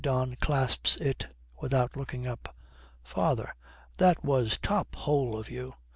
Don clasps it without looking up. 'Father, that was top hole of you!